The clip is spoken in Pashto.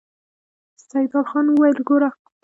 سيدال خان وويل: ګوره!